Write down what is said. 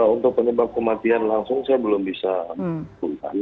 untuk penyebab kematian langsung saya belum bisa turunkan